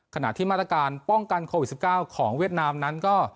ขณะที่มาตรการป้องกันโควิด๑๙ของเวียดนามนั้นก็